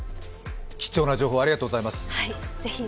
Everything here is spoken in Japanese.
貴重な情報ありがとうございます。